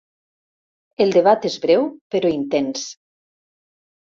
El debat és breu, però intens.